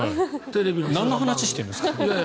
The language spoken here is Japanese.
何の話をしてるんですか？